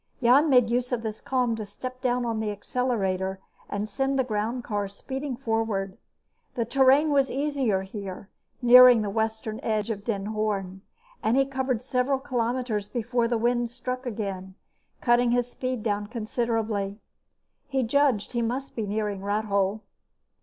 Jan made use of this calm to step down on the accelerator and send the groundcar speeding forward. The terrain was easier here, nearing the western edge of Den Hoorn, and he covered several kilometers before the wind struck again, cutting his speed down considerably. He judged he must be nearing Rathole.